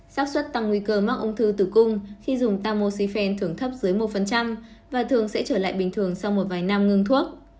sát xuất tăng nguy cơ mắc ung thư tử cung khi dùng tamoxifel thường thấp dưới một và thường sẽ trở lại bình thường sau một vài năm ngưng thuốc